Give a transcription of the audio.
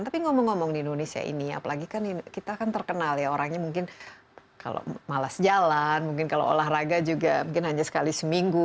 tapi ngomong ngomong di indonesia ini apalagi kan kita kan terkenal ya orangnya mungkin kalau malas jalan mungkin kalau olahraga juga mungkin hanya sekali seminggu